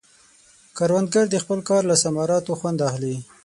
کروندګر د خپل کار له ثمراتو خوند اخلي